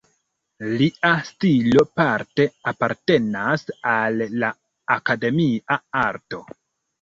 Lia stilo parte apartenas al la akademia arto.